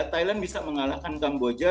thailand bisa mengalahkan kamboja